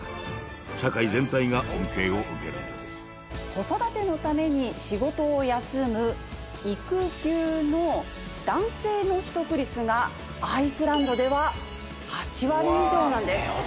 子育てのために仕事を休む育休の男性の取得率がアイスランドでは８割以上なんです。